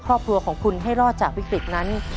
ครอบครัวของคุณให้รอดจากวิกฤตนั้น